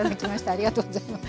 ありがとうございます。